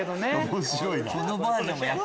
面白いな。